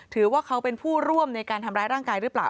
ถือว่าเขาเป็นผู้ร่วมในการทำร้ายร่างกายหรือเปล่า